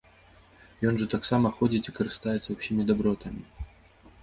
Ён жа таксама ходзіць і карыстаецца ўсімі дабротамі.